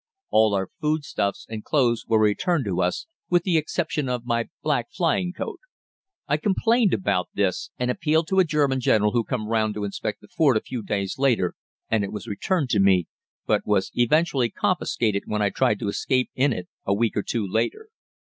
All our foodstuffs and clothes were returned to us, with the exception of my black flying coat. I complained about this, and appealed to a German general who come round to inspect the fort a few days later, and it was returned to me, but was eventually confiscated when I tried to escape in it a week or two later.